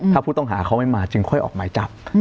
ถ้าผู้ต้องหาเขาไม่มาจึงค่อยออกหมายจับ